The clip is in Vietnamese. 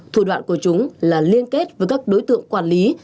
thủ đoạn của chúng là liên kết với các đối tượng quản lý